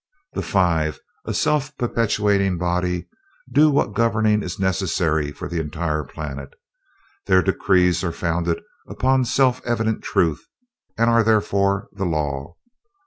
The Five, a self perpetuating body, do what governing is necessary for the entire planet. Their decrees are founded upon self evident truth, and are therefore the law.